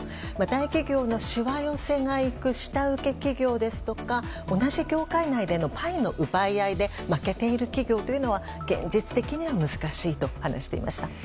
大企業のしわ寄せがいく下請け企業ですとか同じ業界内でのパイの奪い合いで負けている企業というのは現実的には難しいと話していました。